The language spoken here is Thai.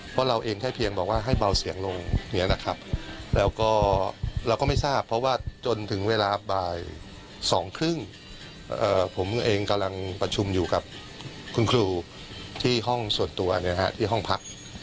เพราะเราเองแค่เพียงบอกว่าให้เบาเสียงลงเนี่ยนะครับแล้วก็เราก็ไม่ทราบเพราะว่าจนถึงเวลาบ่าย๒๓๐ผมเองกำลังประชุมอยู่กับคุณครูที่ห้องส่วนตัวที่ห้องพัก